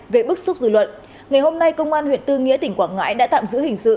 gây bức xúc dư luận ngày hôm nay công an huyện tư nghĩa tỉnh quảng ngãi đã tạm giữ hình sự